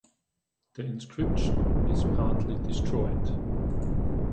The inscription is partly destroyed.